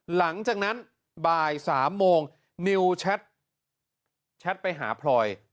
หลังจากนั้นบ่าย๓โมงนิวแชทไปหาพลอย